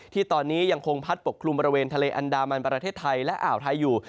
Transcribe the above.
ที่ตอนนี้ยังคงพัดปกคลุมบริเวณทะเลอันดามันประเทศไทยและอ่าวไทยอยู่